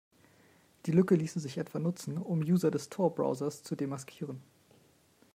Die Lücke ließe sich etwa nutzen, um User des Tor-Browsers zu demaskieren.